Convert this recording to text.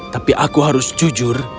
tapi aku harus jujur